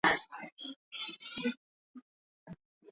Jumuia ya kiuchumi ya nchi za Afrika ya magharibi